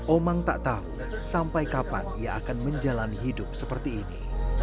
omang tak tahu sampai kapan ia akan menjalani hidup seperti ini